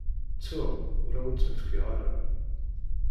Ttuɣ, ur awent-tt-in-fkiɣ ara.